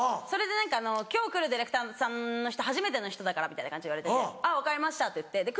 それで「今日来るディレクターさんの人初めての人だから」みたいな感じで言われてて「分かりました」って言って。